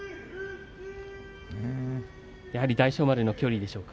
やはり大翔丸の距離でしょうか。